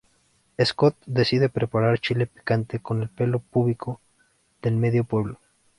Scott decide preparar chile picante con el pelo púbico del medio pueblo.